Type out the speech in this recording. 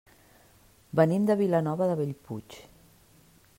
Venim de Vilanova de Bellpuig.